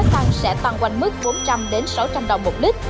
tăng quanh mức bốn trăm linh sáu trăm linh usd một lít